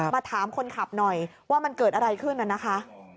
ถามคนขับหน่อยว่ามันเกิดอะไรขึ้นน่ะนะคะ